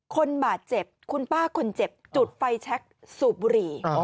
คนบาดเจ็บคุณป้าคนเจ็บจุดไฟแชคสูบบุหรี่